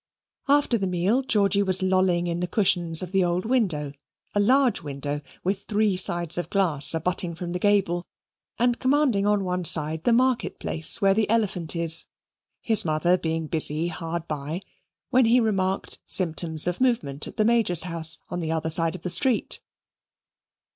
After the meal, Georgy was lolling in the cushions of the old window, a large window, with three sides of glass abutting from the gable, and commanding on one side the market place, where the Elephant is, his mother being busy hard by, when he remarked symptoms of movement at the Major's house on the other side of the street.